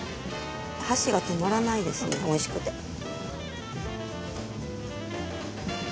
箸が止まらないですねおいしくて。